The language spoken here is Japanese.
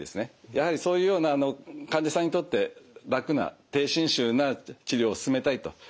やはりそういうような患者さんにとって楽な低侵襲な治療を進めたいという意識はやはりみんな持ってます。